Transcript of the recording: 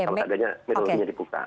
kalau tadanya metodologinya dibuka